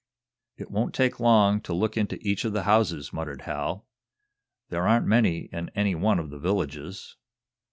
"It won't take long to look into each of the houses," muttered Hal. "There aren't many in any one of the villages."